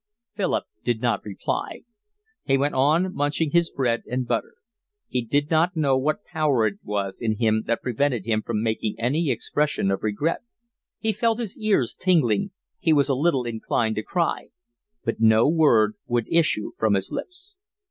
Philip did not reply. He went on munching his bread and butter. He did not know what power it was in him that prevented him from making any expression of regret. He felt his ears tingling, he was a little inclined to cry, but no word would issue from his lips.